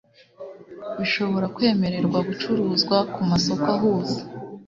bishobora kwemererwa gucuruzwa ku masoko ahuza